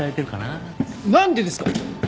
何でですか！